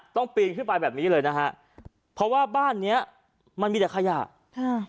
ปีนขึ้นไปแบบนี้เลยนะฮะเพราะว่าบ้านเนี้ยมันมีแต่ขยะฮะ